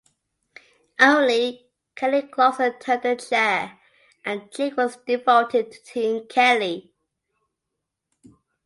Only Kelly Clarkson turned her chair and Jake was defaulted to Team Kelly.